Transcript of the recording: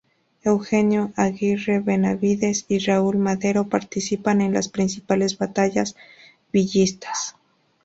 Eugenio Aguirre Benavides y Raúl Madero; participando en las principales batallas villistas.